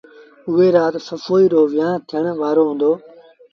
اُئي رآت سسئيٚ رو ويهآݩ ٿيٚڻ وآرو هُݩدو۔